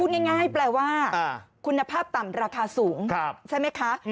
ง่ายแปลว่าคุณภาพต่ำราคาสูงใช่ไหมคะ